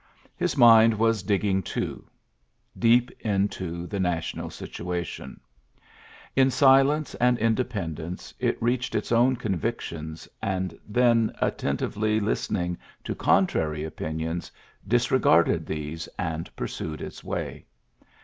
His mind was digging deep into the national situatioi silence and independence it reac own convictions, and then, atte: listening to contrary opinions, garded these and pursued its way.